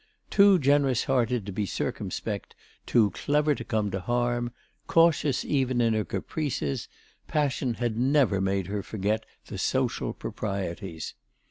Too generous hearted to be circumspect, too clever to come to harm, cautious even in her caprices, passion had never made her forget the social proprieties.